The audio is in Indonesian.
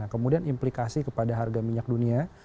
kemudian implikasi kepada harga minyak dunia